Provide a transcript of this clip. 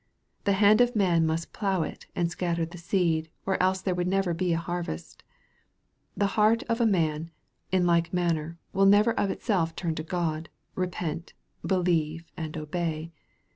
The hand of man must plough it, and scatter the seed, or else there would never be a harvest. The heart of man, in like manner, will never of itself turn to God, repent, believe, and obey.